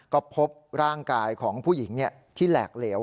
ก็พบร่างกายของผู้หญิงที่แหลกเหลว